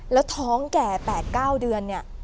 แล้วท้องแก่๘๙เดือน